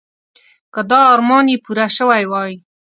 که دا ارمان یې پوره شوی وای.